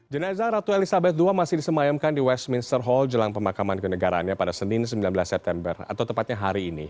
jenazah ratu elizabeth ii masih disemayamkan di westminster hall jelang pemakaman kenegaraannya pada senin sembilan belas september atau tepatnya hari ini